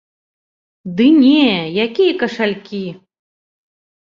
Ды не, якія кашалькі.